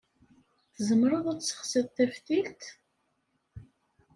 Tzemreḍ ad tessexsiḍ taftilt?